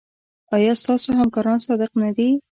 ایا ستاسو همکاران صادق نه دي؟